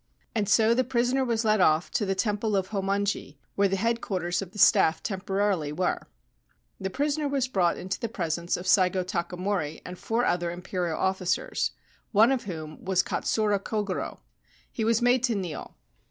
And so the prisoner was led off to the Temple of Hommonji, where the Headquarters of the Staff temporarily were. The prisoner was brought into the presence of Saigo Takamori and four other Imperial officers, one of whom was Katsura Kogoro. He was made to kneel.